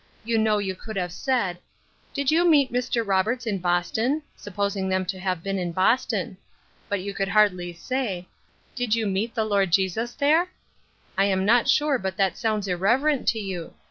You know you could have said, 'Did you S6 Ruth Ershine's Crosses. meet Mr. Roberts in Boston ?' supposing them to have been in Boston. Bat you could hardly Bay, ' Did you meet the Lord Jesus there ?' I am not sure but that sounds irreverent to you.